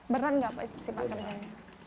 berat nggak sih pak kerjanya